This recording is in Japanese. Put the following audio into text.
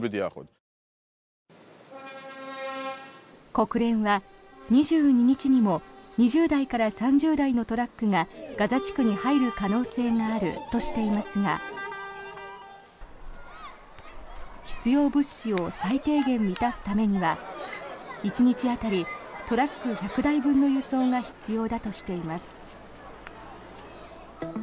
国連は、２２日にも２０台から３０台のトラックがガザ地区に入る可能性があるとしていますが必要物資を最低限満たすためには１日当たりトラック１００台分の輸送が必要だとしています。